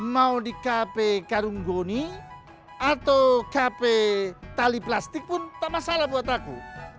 mau di kp karunggoni atau kp tali plastik pun tak masalah buat aku